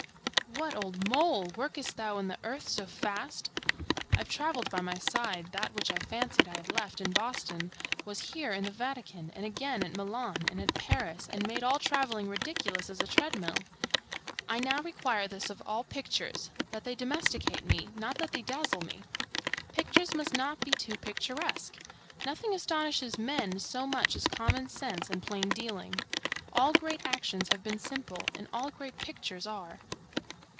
"What, old mole! workest thou in the earth so fast?" It had travelled by my side; that which I fancied I had left in Boston was here in the Vatican, and again at Milan and at Paris, and made all travelling ridiculous as a treadmill. I now require this of all pictures, that they domesticate me, not that they dazzle me. Pictures must not be too picturesque. Nothing astonishes men so much as common sense and plain dealing. All great actions have been simple, and all great pictures are.